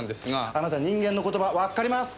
あなた人間の言葉わかりますか？